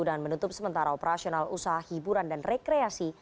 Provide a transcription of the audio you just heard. dan menutup sementara operasional usaha hiburan dan rekreasi